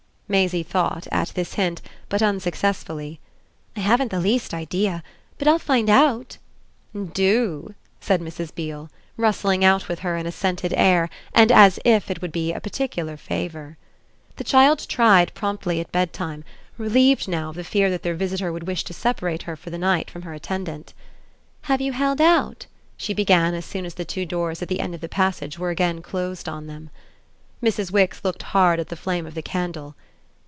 Maisie thought, at this hint; but unsuccessfully. "I haven't the least idea. But I'll find out." "Do!" said Mrs. Beale, rustling out with her in a scented air and as if it would be a very particular favour. The child tried promptly at bed time, relieved now of the fear that their visitor would wish to separate her for the night from her attendant. "Have you held out?" she began as soon as the two doors at the end of the passage were again closed on them. Mrs. Wix looked hard at the flame of the candle.